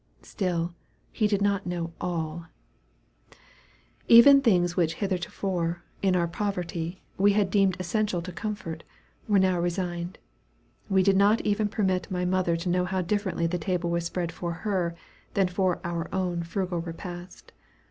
Still he did not know all. Even things which heretofore, in our poverty, we had deemed essential to comfort, were now resigned. We did not even permit my mother to know how differently the table was spread for her than for our own frugal repast.